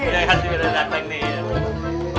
makasih udah dateng nih